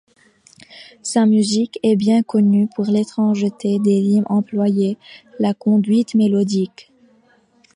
Sa musique est bien connue pour l'étrangeté des rythmes employés, la conduite mélodique.